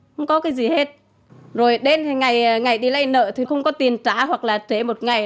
không có cái gì hết rồi đến ngày ngày đi lấy nợ thì không có tiền trả hoặc là trả một ngày